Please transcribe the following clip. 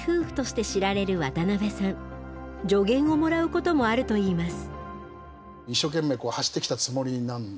助言をもらうこともあると言います。